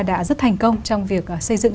đã rất thành công trong việc xây dựng